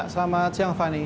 selamat siang fani